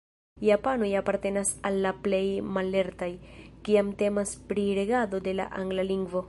Japanoj apartenas al la plej mallertaj, kiam temas pri regado de la angla lingvo.